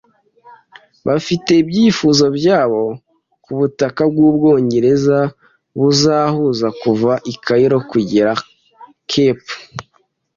bafite ibyifuzo byabo ku butaka bw’Ubwongereza buhuza kuva i Cairo kugera Cape